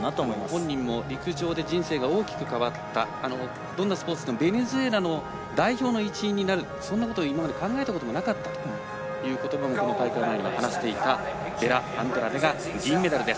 本人も陸上で人生が大きく変わったどんなスポーツでもベネズエラの代表の一員になるなんて考えたことなかったとこの大会前には話していたベラアンドラデが銀メダルです。